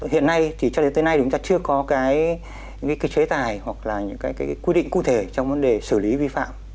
hiện nay thì cho đến tới nay chúng ta chưa có cái chế tài hoặc là những cái quy định cụ thể trong vấn đề xử lý vi phạm